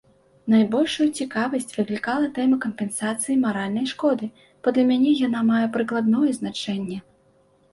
Найбольшую цікавасць выклікала тэма кампенсацыі маральнай шкоды, бо для мяне яна мае прыкладное значэнне.